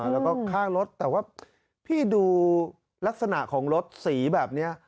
แล้วก็ข้างรถแต่ว่าพี่ดูลักษณะของรถสีแบบนี้